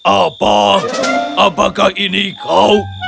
apa apakah ini kau